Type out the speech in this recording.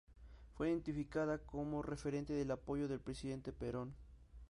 Fue identificada como referente del apoyo que el presidente Perón dio al deporte argentino.